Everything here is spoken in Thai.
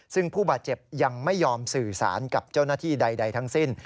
ซึ่งผู้บาดเจ็บยังไม่ยอมสื่อสารกับเจ้าหน้าที่ใดทั้งสิ้น